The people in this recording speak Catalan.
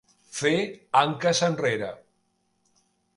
Fer anques enrere.